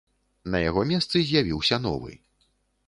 На яго месцы з'явіўся новы.